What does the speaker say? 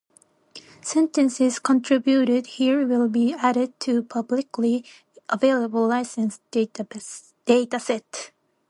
Sentences contributed here will be added to a publicly available licensed dataset.